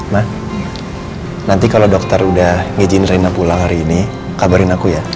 ma nanti kalau dokter udah ngijin reina pulang hari ini kabarin aku ya